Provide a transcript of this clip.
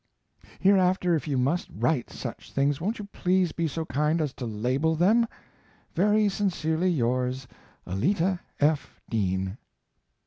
Hereafter if you must write such things won't you please be so kind as to label them? Very sincerely yours, ALLETTA F. DEAN.